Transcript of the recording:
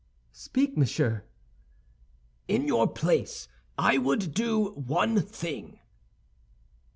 "Speak, monsieur." "In your place, I would do one thing."